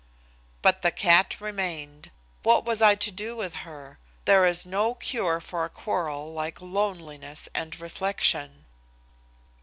But the cat remained. What was I to do with her? There is no cure for a quarrel like loneliness and reflection.